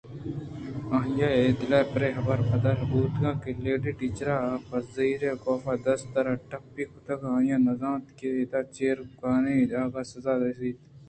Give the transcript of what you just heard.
آئی ءِ دل پرے حبرءَ پدّرد بوتگ کہ لیڈی ٹیچر ءَ پہ زِبری کاف ءِ دست ءَ را ٹپّی کُتگ ءُآئیءَ زانتگ کہ اِدا چیروکائی آہگ ءِ سزا رسیت